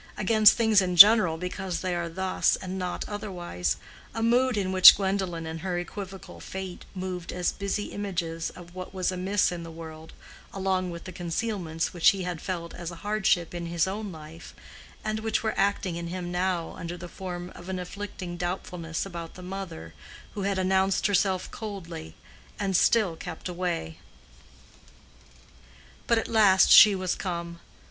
against things in general because they are thus and not otherwise, a mood in which Gwendolen and her equivocal fate moved as busy images of what was amiss in the world along with the concealments which he had felt as a hardship in his own life, and which were acting in him now under the form of an afflicting doubtfulness about the mother who had announced herself coldly and still kept away. But at last she was come.